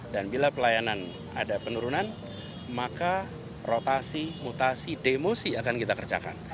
dan bila pelayanan ada penurunan maka rotasi mutasi demosi akan kita kerjakan